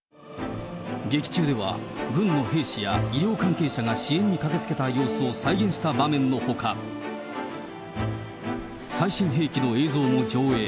劇中では、軍の兵士や医療関係者が支援に駆けつけた様子を再現した場面のほか、最新兵器の映像も上映。